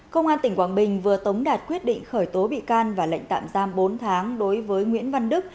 công an tỉnh quảng bình vừa tống đạt quyết định khởi tố bị can và lệnh tạm giam bốn tháng đối với nguyễn văn đức